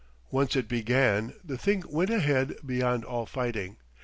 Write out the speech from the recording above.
Once it began, the thing went ahead beyond all fighting.